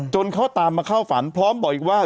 เขาตามมาเข้าฝันพร้อมบอกอีกว่า